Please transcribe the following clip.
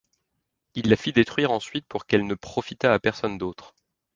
Il la fit détruire ensuite, pour qu'elle ne profitât à personne d'autre.